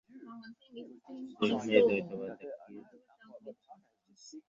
যেখানেই দ্বৈতবাদ দেখা দিয়াছে, সেখানেই অদ্বৈতবাদ প্রবল হইয়া তাহা খণ্ডন করিয়াছে।